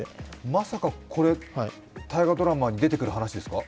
まさかこれ、大河ドラマに出てくる話ですか？